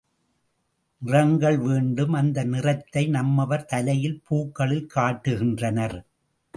நிறங்கள் வேண்டும் அந்த நிறத்தை நம்மவர் தலையில் பூக்களில் காட்டுகின்றனர்.